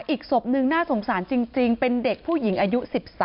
อีกศพนึงน่าสงสารจริงเป็นเด็กผู้หญิงอายุ๑๓